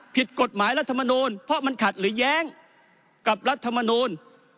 ผิดกฎหมายรัฐมนูลเพราะมันขัดหรือแย้งกับรัฐมนูล